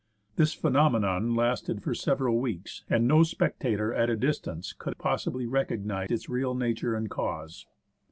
This phenomenon lasted for several weeks, and no spectator at a distance could possibly recognise its real nature and cause.